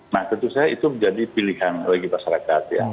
nah tentu saja itu menjadi pilihan bagi masyarakat ya